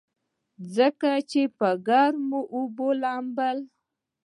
ځکه چې پۀ ګرمو اوبو لامبل